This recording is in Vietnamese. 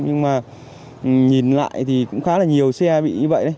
nhưng mà nhìn lại thì cũng khá là nhiều xe bị như vậy đấy